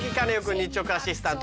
日直アシスタント